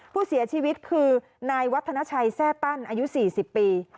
ผู้เสียชีวิตคือนายวัฒนาชัยแทร่ตั้นอายุ๔๐ปี